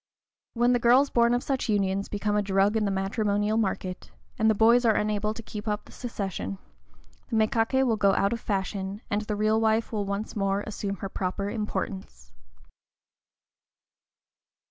When the girls born of such unions become a drug in the matrimonial market, and the boys are unable to keep up the succession, the mékaké will go out of fashion, and the real wife will once more assume her proper importance.